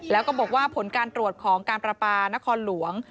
แล้วก็บอกว่าผลการตรวจของการประปานครหลวง